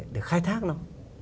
để khai thác nó